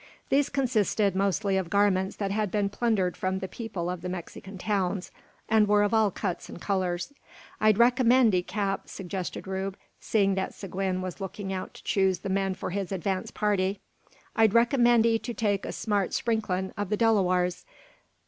These consisted mostly of garments that had been plundered from the people of the Mexican towns, and were of all cuts and colours. "I'd recommend 'ee, cap," suggested Rube, seeing that Seguin was looking out to choose the men for his advance party, "I'd recommend 'ee to take a smart sprinklin' of the Delawars.